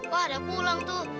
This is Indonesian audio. wah ada pulang tuh